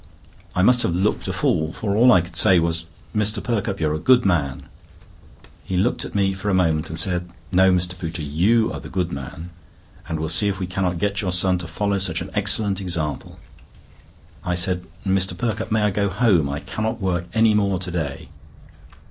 I must have looked a fool, for all I could say was: "Mr. Perkupp, you are a good man." He looked at me for a moment, and said: "No, Mr. Pooter, you are the good man; and we'll see if we cannot get your son to follow such an excellent example." I said: "Mr. Perkupp, may I go home? I cannot work any more to day."